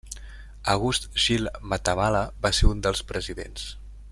August Gil Matamala va ser un dels presidents.